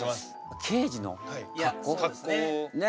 刑事の格好？ね！